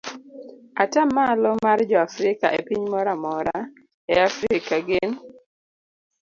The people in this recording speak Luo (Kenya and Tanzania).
Atamalo mar joafrika e piny moro amora e Afrika gin